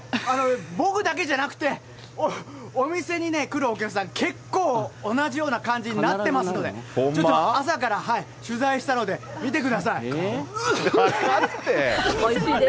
僕だけじゃなくて、お店に来るお客さん、結構同じような感じになってますので、ちょっと朝から取材したので見てください。